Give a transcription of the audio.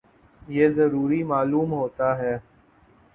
یہ ضروری معلوم ہوتا ہے